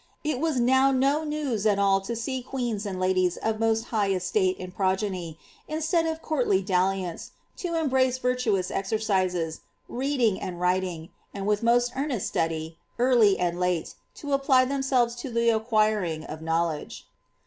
It was now no news at all to see queens and ladies of most bjgh estate and progeny, instead of courtly dalliance, to embrace vir toous exercises, reading and writing, and with most earnest study, early and late, to apply themselves to the acquiring of knowledge."